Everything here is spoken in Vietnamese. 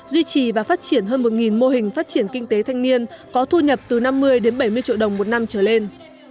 duy trì và phát triển hơn một mô hình phát triển kinh tế thanh niên có thu nhập từ năm mươi đến bảy mươi triệu đồng một năm trở lên